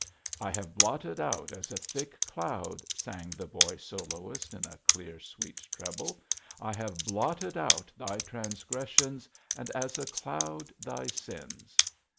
'I have blotted out as a thick cloud,' sang the boy soloist in a clear sweet treble, 'I have blotted out thy transgressions, and as a cloud thy sins.'